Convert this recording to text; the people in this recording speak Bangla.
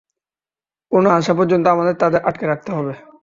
ও না আসা পর্যন্ত আমাদের তাদের আটকে রাখতে হবে।